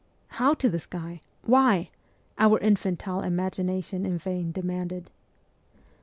' How to the sky ? Why ?' our infantile imagina tion in vain demanded.